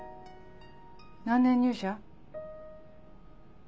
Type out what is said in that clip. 何年入社？